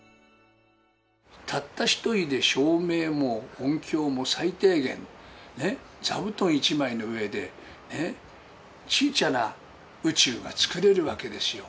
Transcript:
たった一人で照明も音響も最低限、座布団１枚の上でね、ちいちゃな宇宙が作れるわけですよ。